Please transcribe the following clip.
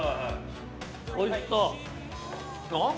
おいしそう。